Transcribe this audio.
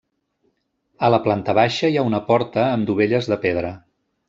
A la planta baixa hi ha una porta amb dovelles de pedra.